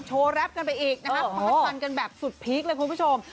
แรปกันไปอีกนะคะฟาดฟันกันแบบสุดพีคเลยคุณผู้ชม